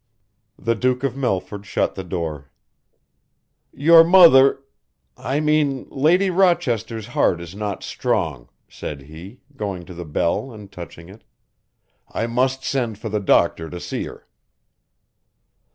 The Duke of Melford shut the door. "Your mother I mean Lady Rochester's heart is not strong," said he, going to the bell and touching it. "I must send for the doctor to see her."